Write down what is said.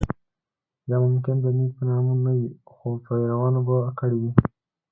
یا ممکن د دین په نامه نه وي خو پیروانو به کړې وي.